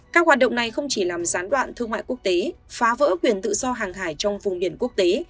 các hoạt động này không chỉ làm gián đoạn thương mại quốc tế phá vỡ quyền tự do hàng hải trong vùng biển quốc tế